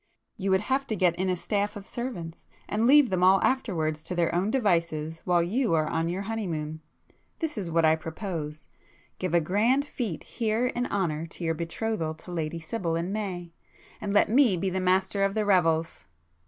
You would have to get in a staff of servants, and leave them all afterwards to their own devices while you are on your honeymoon. This is what I propose,—give a grand fête here in honour of your betrothal to Lady Sibyl, in May—and let me be the master of the revels!"